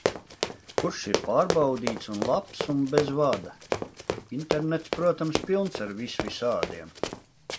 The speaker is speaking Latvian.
Kurš ir pārbaudīts un labs un bez vada? Internets, protams, pilns ar visvisādiem...